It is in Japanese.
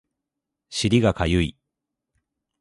尻がかゆい